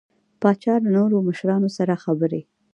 پاچا له نورو مشرانو سره خبرې